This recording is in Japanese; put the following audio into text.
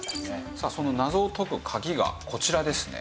さあその謎を解く鍵がこちらですね。